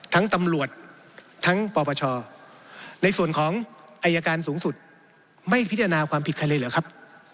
ตำรวจทั้งปปชในส่วนของอายการสูงสุดไม่พิจารณาความผิดใครเลยเหรอครับ